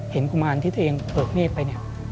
เห็นกุมารที่เธอเองเปิดเมฆไปเนี่ย